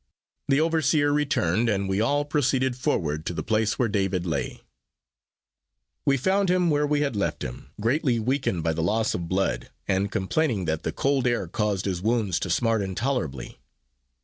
The overseer returned, and we all proceeded forward to the place where David lay. We found him where we had left him, greatly weakened by the loss of blood, and complaining that the cold air caused his wounds to smart intolerably.